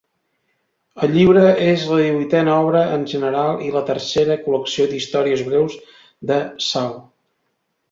El llibre és la divuitena obra en general i la tercera col·lecció d'històries breus de Shaw.